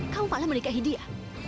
kamu malah menikahi dia